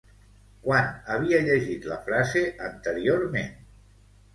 Quan havia llegit la frase anteriorment?